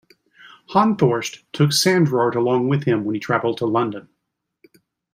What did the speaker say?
Honthorst took Sandrart along with him when he travelled to London.